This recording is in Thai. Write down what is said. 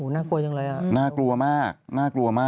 น่ากลัวจังเลยนะครับ